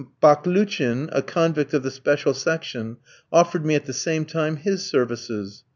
Baklouchin, a convict of the special section, offered me at the same time his services.